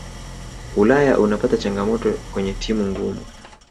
ulaya unapata changamoto kwenye timu ngumu